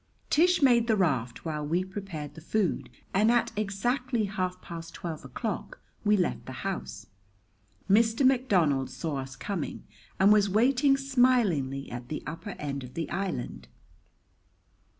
Tish made the raft while we prepared the food, and at exactly half past twelve o'clock we left the house. Mr. McDonald saw us coming and was waiting smilingly at the upper end of the island.